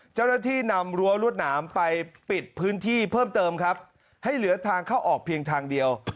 เจ้าหน้าที่นำรั้วรวดหนามไปปิดพื้นที่เพิ่มเติมครับให้เหลือทางเข้าออกเพียงทางเดียว